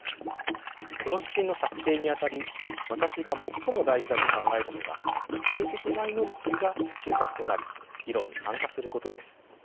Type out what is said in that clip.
この指針の策定にあたり私が最も大事だと考えるのが性的マイノリティーが中核となり議論に参加することです。